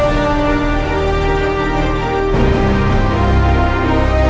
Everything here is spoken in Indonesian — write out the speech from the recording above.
saya coba selalu menyampaikanmakan